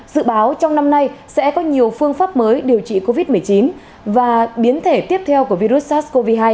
dự báo trong năm nay sẽ có nhiều phương pháp mới điều trị covid một mươi chín và biến thể tiếp theo của virus sars cov hai